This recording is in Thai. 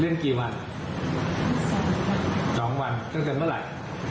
เล่นกี่วันสองวันเพราะจะเมื่อไหร่